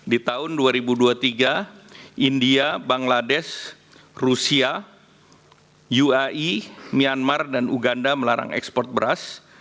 di tahun dua ribu dua puluh tiga india bangladesh rusia uai myanmar dan uganda melarang ekspor beras